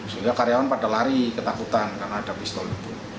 sehingga karyawan pada lari ketakutan karena ada pistol itu